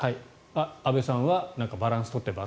安部さんはバランス取って×。